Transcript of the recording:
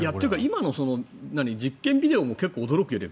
今の実験ビデオも結構、驚くよね。